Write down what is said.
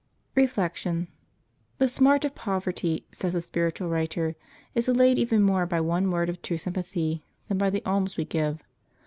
Reflection. — The smart of poverty, says a spiritual writer, is allayed even more by one word of true sympathy than by the alms we give.